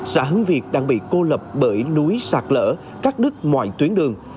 xã hưng việt đang bị cô lập bởi núi sạc lỡ cắt đứt ngoài tuyến đường